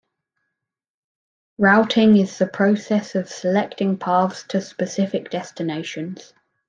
Routing is the process of selecting paths to specific destinations.